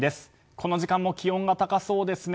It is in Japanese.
この時間も気温が高そうですね。